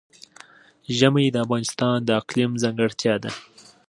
ژمی د افغانستان د اقلیم ځانګړتیا ده.